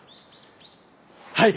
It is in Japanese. はい！